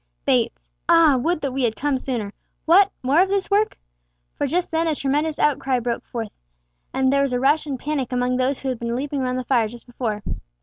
"Bates! ah! Would that we had come sooner! What! more of this work—" For just then a tremendous outcry broke forth, and there was a rush and panic among those who had been leaping round the fire just before.